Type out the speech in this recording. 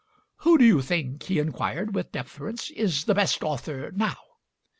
"Who do you think," he inquired with deference, "is the best author now?"